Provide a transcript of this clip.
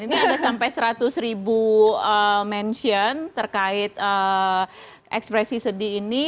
ini ada sampai seratus ribu mention terkait ekspresi sedih ini